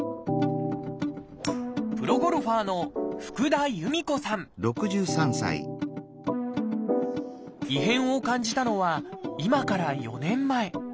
プロゴルファーの異変を感じたのは今から４年前。